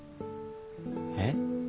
えっ？